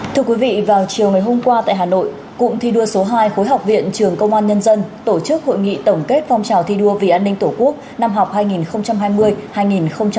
thưa quý vị vào chiều ngày hôm qua tại hà nội cụm thi đua số hai khối học viện trường công an nhân dân tổ chức hội nghị tổng kết phong trào thi đua vì an ninh tổ quốc năm học hai nghìn hai mươi hai nghìn hai mươi